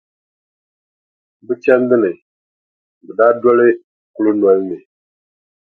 Bɛ chandi ni, bɛ daa doli kulinoli ni.